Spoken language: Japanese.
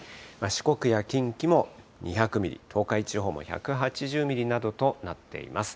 四国や近畿も２００ミリ、東海地方も１８０ミリなどとなっています。